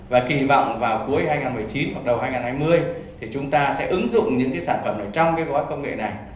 và kỳ vọng vào cuối hai nghìn một mươi chín hoặc đầu hai nghìn hai mươi thì chúng ta sẽ ứng dụng những cái sản phẩm này trong cái gói công nghệ này